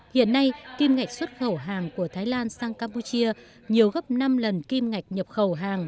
hiện nay kim ngạch xuất khẩu hàng của thái lan sang campuchia nhiều gấp năm lần kim ngạch nhập khẩu hàng